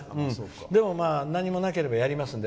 でも、何もなければやりますんで。